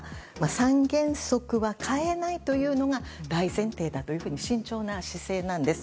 三原則は変えないというのが大前提だというふうに慎重な姿勢なんです。